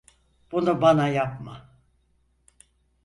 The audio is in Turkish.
Bunu bana yapma!